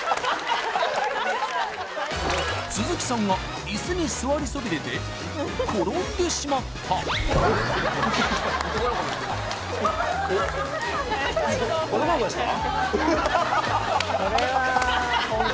鈴木さんがイスに座りそびれて転んでしまった男の子ですか？